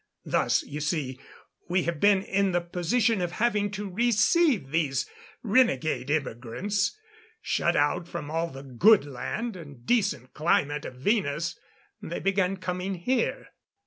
Thus, you see, we have been in the position of having to receive these renegade immigrants. Shut out from all the good land and decent climate of Venus, they began coming here.